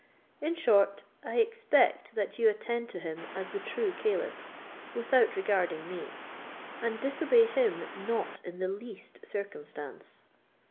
In short, I expect that you attend to him as the true caliph, without regarding me; and disobey him not in the least circumstance."